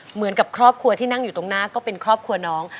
เหมือนกับครอบครัวที่นั่งอยู่ตรงหน้าก็เป็นครอบครัวน้อง